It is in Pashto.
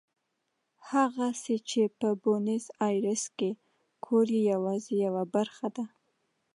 هغه څه چې په بونیس ایرس کې ګورئ یوازې یوه برخه ده.